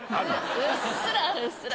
うっすら、うっすら。